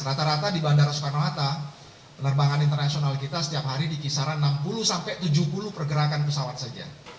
rata rata di bandara soekarno hatta penerbangan internasional kita setiap hari di kisaran enam puluh sampai tujuh puluh pergerakan pesawat saja